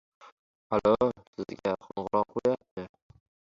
• Qarilarning maslahati va yoshlarning kuchi bilan qiyshiq to‘g‘rilanadi.